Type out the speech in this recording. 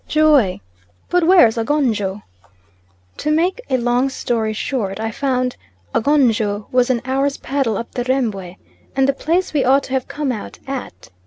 Joy!!!! but where's Agonjo? To make a long story short I found Agonjo was an hour's paddle up the Rembwe and the place we ought to have come out at.